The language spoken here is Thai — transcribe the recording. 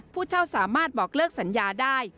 ผู้เช่าสามารถบอกเลิกสัญญาได้